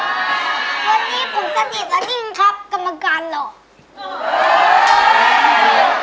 วันนี้ผมมาดีดแล้วนี่กร้องกรรมกันเหรอ